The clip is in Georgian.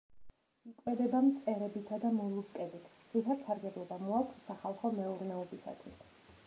იკვებება მწერებითა და მოლუსკებით, რითაც სარგებლობა მოაქვს სახალხო მეურნეობისათვის.